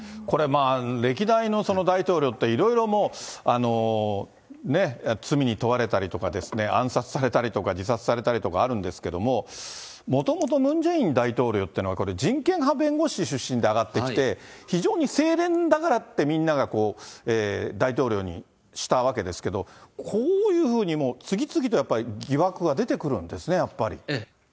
これ、歴代の大統領って、いろいろもうね、罪に問われたり、暗殺されたりとか、自殺されたりとかあるんですけれども、もともとムン・ジェイン大統領っていうのは、これ、人権派弁護士出身で上がってきて、非常に清廉だからって、みんなが大統領にしたわけですけど、こういうふうに次々とやっぱり疑惑は出てくるんですね、やっぱり。